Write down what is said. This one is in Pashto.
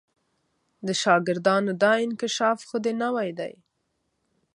د شاګردانو دا انکشاف خو دې نوی دی.